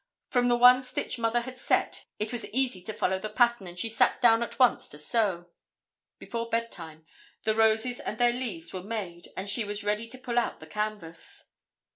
From the one stitch Mother had set, it was easy to follow the pattern and she sat down at once to sew. Before bedtime, the roses and their leaves were made and she was ready to pull out the canvas.